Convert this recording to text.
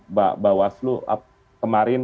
mbak waslu kemarin